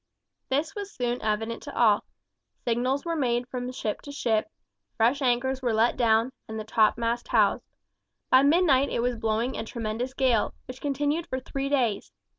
This was soon evident to all. Signals were made from ship to ship, fresh anchors were let down, and the topmast housed. By midnight it was blowing a tremendous gale, which continued for three days.